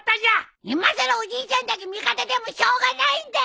いまさらおじいちゃんだけ味方でもしょうがないんだよ！